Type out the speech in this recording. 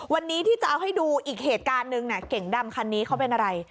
วันนี้ที่จะเอาให้ดูอีกเหตุการณ์หนึ่งเก่งดำคันนี้เขาเป็นอะไร